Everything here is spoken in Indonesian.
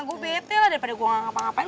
gua pete lah daripada gua gak ngapa ngapain